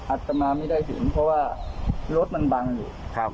อาจจะมาไม่ได้เห็นเพราะว่ารถมันบังอยู่